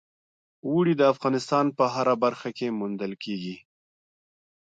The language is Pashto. اوړي د افغانستان په هره برخه کې موندل کېږي.